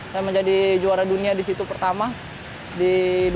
saya menjadi juara dunia di situ pertama di dua ribu tujuh belas